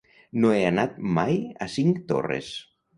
No he anat mai a Cinctorres.